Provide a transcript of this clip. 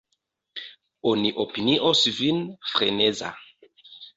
Oni opinios vin freneza.